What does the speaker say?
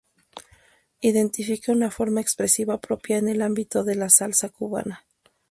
Identifica una forma expresiva propia en el ámbito de la salsa cubana.